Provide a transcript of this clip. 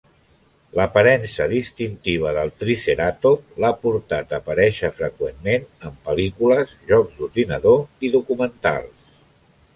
L'aparença distintiva del triceratop l'ha portat a aparèixer freqüentment en pel·lícules, jocs d'ordinador i documentals.